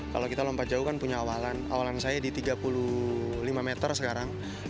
kalau kita lompat jauh kan punya awalan saya di tiga puluh lima meter sekarang